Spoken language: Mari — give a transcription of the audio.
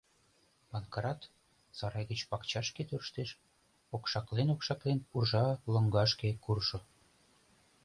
Панкрат сарай гыч пакчашке тӧрштыш, окшаклен-окшаклен, уржа лоҥгашке куржо.